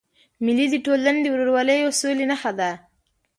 مېلې د ټولني د ورورولۍ او سولي نخښه ده.